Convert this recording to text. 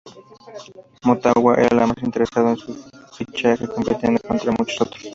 Motagua era el más interesado en su fichaje compitiendo contra muchos otros.